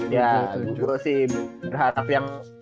ya gue sih berharap yang